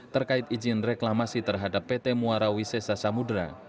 terkait izin reklamasi terhadap pt muarawisesa samudera